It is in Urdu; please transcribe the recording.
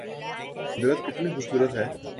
قدرت کتنی خوب صورت ہے